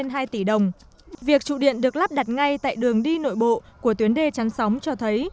những trụ điện này được lắp đặt ngay tại đường đi nội bộ của tuyến đê chắn sóng cho thấy